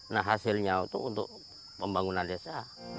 nah hasilnya itu untuk pembangunan desa